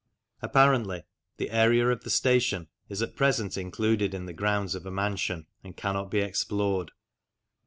Apparently the area of the station is at present included in the grounds of a mansion, and cannot be explored.